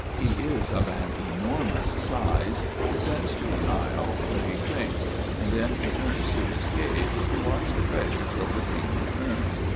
He is of an enormous size ; descends to the Nile, where he drinks ; and then returns to his cave, to watch the treasure till the king returns.